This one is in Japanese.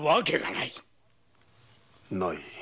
ない？